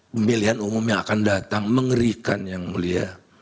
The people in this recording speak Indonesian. pemilihan umum yang akan datang mengerikan yang mulia